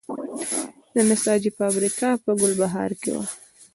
د نساجي فابریکه په ګلبهار کې وه